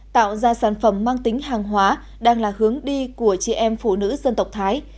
tạo ra sản phẩm mang tính hàng hóa đang là hướng đi của chị em phụ nữ dân tộc thái